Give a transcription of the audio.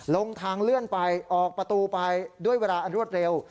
ลงทางเลื่อนไปออกประตูไปด้วยเวลาอันรวดเร็ว